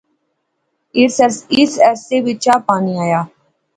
اسے عرصے وچ چاء پانی آیا